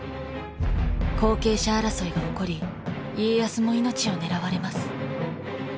後継者争いが起こり家康も命を狙われます。